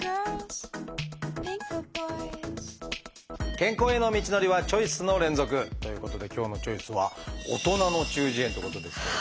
健康への道のりはチョイスの連続！ということで今日の「チョイス」は「大人の中耳炎」ってことですけれど。